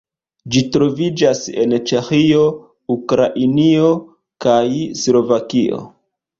Ĝi troviĝas en Ĉeĥio, Ukrainio, kaj Slovakio.